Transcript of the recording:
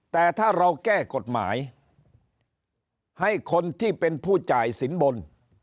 แต่ถ้าเราแก้กฎหมายให้คนที่เป็นผู้จ่ายสินบน